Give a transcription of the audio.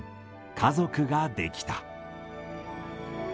家族ができた。